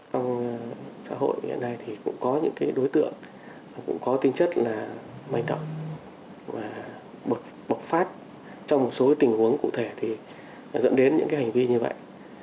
trong xã hội hiện nay thì cũng có những đối tượng cũng có tính chất là mạnh động và bộc phát trong một số tình huống cụ thể dẫn đến những hành vi như vậy